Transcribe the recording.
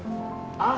ああ。